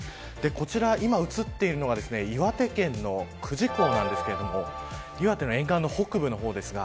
こちら今、映っているのが岩手県の久慈港ですが岩手の沿岸の北部の方です。